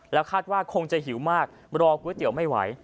แล้วคาดว่าคงจะหิวมากรอก๋วยเตี๋ยวไม่ไหว